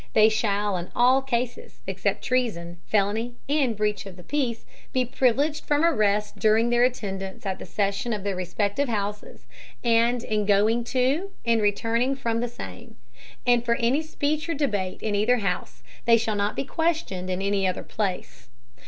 They shall in all Cases, except Treason, Felony and Breach of the Peace, be privileged from Arrest during their Attendance at the Session of their respective Houses, and in going to and returning from the same; and for any Speech or Debate in either House, they shall not be questioned in any other Place.